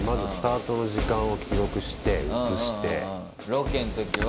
ロケん時は。